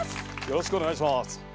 よろしくお願いします。